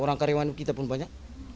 orang karyawan kita pun banyak